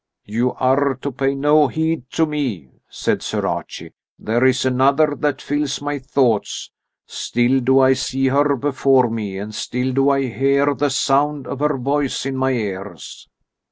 "You are to pay no heed to me," said Sir Archie. "There is another that fills my thoughts. Still do I see her before me, and still do I hear the sound of her voice in my ears."